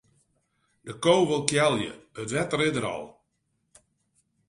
De ko wol kealje, it wetter is der al.